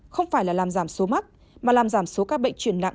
không phải là làm giảm số mắc mà làm giảm số các bệnh chuyển nặng